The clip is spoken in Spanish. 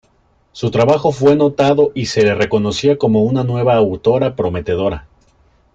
Su trabajo fue notado y se le reconocía como una nueva autora prometedora.